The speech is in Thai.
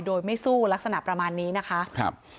โดยไม่สู้ลักษณะประมาณนี้นะคะ